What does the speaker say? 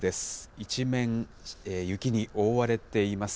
一面雪に覆われています。